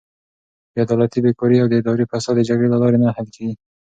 بېعدالتي، بېکاري او اداري فساد د جګړې له لارې نه حل کیږي.